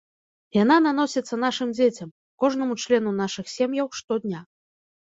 Яна наносіцца нашым дзецям, кожнаму члену нашых сем'яў штодня.